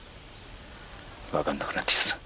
わかんなくなってきたぞ。